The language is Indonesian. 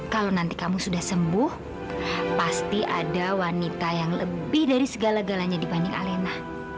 kalau nanti kamu sudah sembuh pasti ada wanita yang lebih dari segala galanya dibanding alena